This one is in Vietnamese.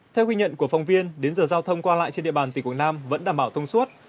theo ghi nhận của phóng viên đến giờ giao thông qua lại trên địa bàn tỉnh quảng nam vẫn đảm bảo thông suốt